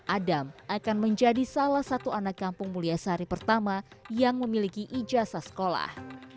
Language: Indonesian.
adam akan menjadi salah satu anak kampung mulia sari pertama yang memiliki ijazah sekolah